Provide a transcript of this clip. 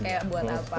iya buat apa